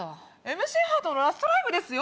ＭＣハートのラストライブですよ？